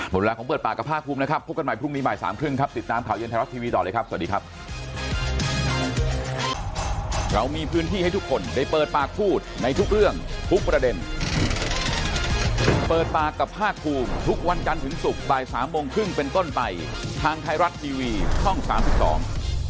เวลาของเปิดปากกับภาคภูมินะครับพบกันใหม่พรุ่งนี้บ่ายสามครึ่งครับติดตามข่าวเย็นไทยรัฐทีวีต่อเลยครับสวัสดีครับ